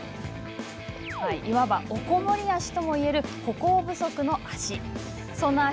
いわば「おこもり足」ともいえる歩行不足の足。